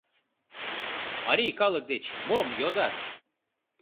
Марий калык деч мом йодат?